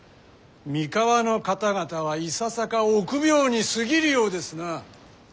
三河の方々はいささか臆病に過ぎるようですなあ。